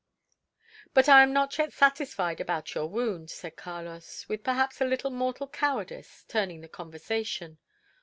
"But I am not yet satisfied about your wound," said Carlos, with perhaps a little moral cowardice, turning the conversation.